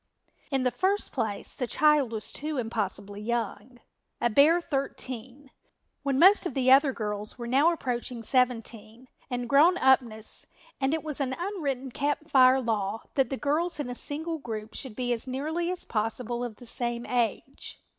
In the first place the child was too impossibly young, a bare thirteen, when most of the other girls were now approaching seventeen and grown up ness, and it was an unwritten Camp Fire law that the girls in a single group should be as nearly as possible of the same age.